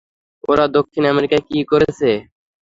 ওরা দক্ষিণ আমেরিকায় কী করছে?